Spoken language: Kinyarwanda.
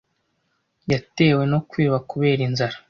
Yatewe no kwiba kubera inzara.